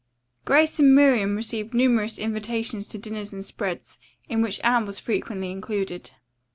Grace and Miriam received numerous invitations to dinners and spreads, in which Anne was frequently included.